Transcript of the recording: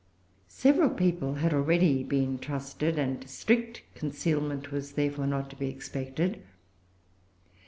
Several people had already been trusted, and strict concealment was therefore not to be expected.